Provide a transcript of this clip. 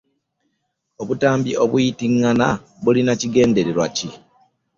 Obutambi obuyitiŋŋana bulina kigendererwa ki?